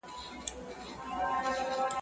په لوی لاس ځان د بلا مخي ته سپر کړم.